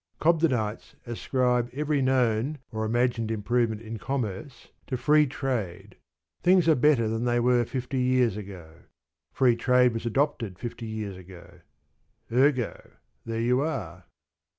Cobdenites ascribe every known or imagined improvement in commerce, and the condition of the masses, to Free Trade. Things are better than they were fifty years ago: Free Trade was adopted fifty years ago. Ergo there you are.